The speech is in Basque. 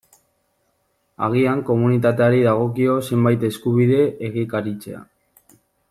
Agian komunitateari dagokio zenbait eskubide egikaritzea.